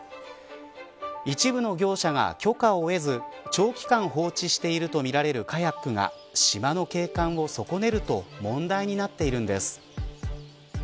一部の業者が、許可を得ず長期間放置しているとみられるカヤックが島の景観を損ねると問題になっているんです。